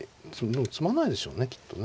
でも詰まないでしょうねきっとね。